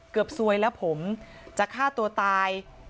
ซวยแล้วผมจะฆ่าตัวตาย